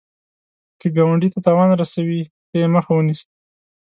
که ګاونډي ته تاوان رسوي، ته یې مخه ونیسه